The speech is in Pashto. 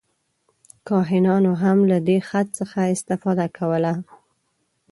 کاهنانو هم له دې خط څخه استفاده کوله.